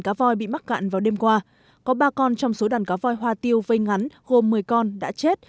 cá voi bị mắc cạn vào đêm qua có ba con trong số đàn cá voi hoa tiêu vê ngắn gồm một mươi con đã chết